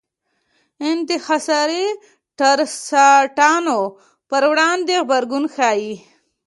انحصاري ټرستانو پر وړاندې غبرګون ښيي.